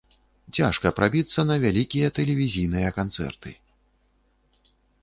Цяжка прабіцца на вялікія тэлевізійныя канцэрты.